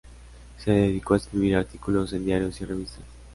Se dedicó a escribir artículos en diarios y revistas.